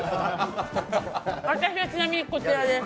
私はちなみにこちらです。